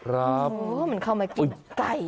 เหมือนเขามากินไก่